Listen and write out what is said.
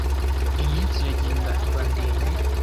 Iminsi iragenda iba ndende.